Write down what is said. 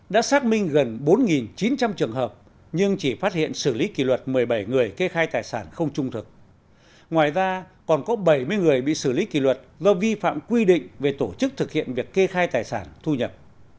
đã xác minh gần bốn chín trăm linh trường hợp nhưng chỉ phát hiện xử lý kỷ luật một mươi bảy người kê khai tài sản không trung thực ngoài ra còn có bảy mươi người bị xử lý kỷ luật do vi phạm quy định về tổ chức thực hiện việc kê khai tài sản thu nhập